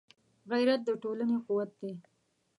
غیرت د ټولنې قوت دی